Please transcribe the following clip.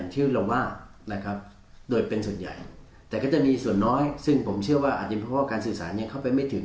แต่ก็จะมีส่วนน้อยซึ่งผมเชื่อว่าอาจจะเพราะว่าการสื่อสารยังเข้าไปไม่ถึง